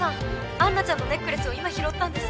アンナちゃんのネックレスを今拾ったんです！